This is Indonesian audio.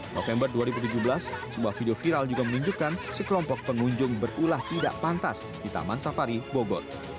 november dua ribu tujuh belas sebuah video viral juga menunjukkan sekelompok pengunjung berulah tidak pantas di taman safari bogor